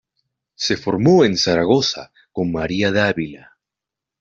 Se formó en Zaragoza con María de Ávila.